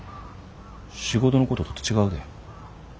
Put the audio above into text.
仕事のことと違うで。